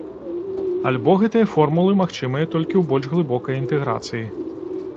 Альбо гэтыя формулы магчымыя толькі ў больш глыбокай інтэграцыі.